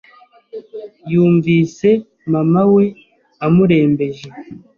yumvise Mama we amurembeje